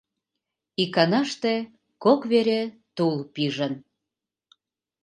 Иканаште кок вере тул пижын.